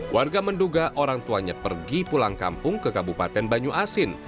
warga menduga orang tuanya pergi pulang kampung ke kabupaten banyu asin